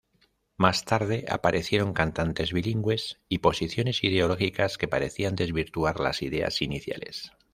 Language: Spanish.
Más tarde aparecieron cantantes bilingües y posiciones ideológicas que parecían desvirtuar las ideas iniciales.